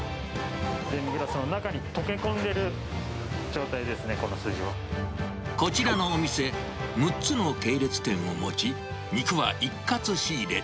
デミグラスの中に溶け込んでこちらのお店、６つの系列店を持ち、肉は一括仕入れ。